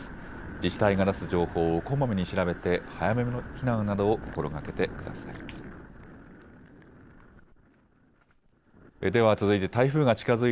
自治体が出す情報をこまめに調べて早めの避難などを心がけてください。